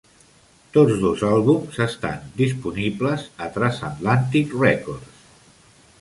Tots dos àlbums estan disponibles en Transatlantic Records.